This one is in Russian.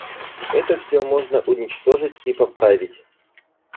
Это всё можно уничтожить и поправить.